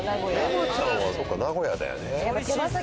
山ちゃんは名古屋だよね。